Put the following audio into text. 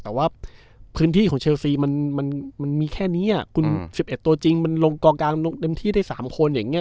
แต่ว่าพื้นที่ของเชลสีมันมันมันมีแค่นี้อ่ะอืมคุณสิบเอ็ดตัวจริงมันลงกรองการลงเงินที่ได้สามโคนอย่างเงี้ย